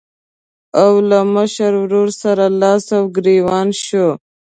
او له مشر ورور سره لاس او ګرېوان شو.